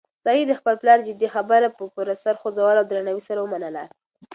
سعید د خپل پلار جدي خبره په پوره سر خوځولو او درناوي سره ومنله.